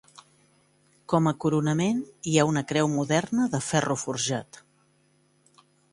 Com a coronament hi ha una creu moderna de ferro forjat.